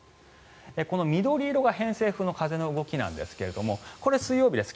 この緑色が偏西風の風の動きなんですがこれ、水曜日です。